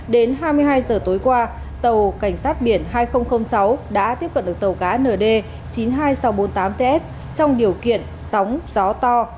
đến hai mươi hai giờ tối qua tàu cảnh sát biển hai nghìn sáu đã tiếp cận được tàu cá nd chín mươi hai nghìn sáu trăm bốn mươi tám ts trong điều kiện sóng gió to